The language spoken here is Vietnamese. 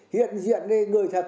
hiện diện đây người thật